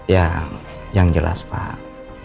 ya yang jelas pak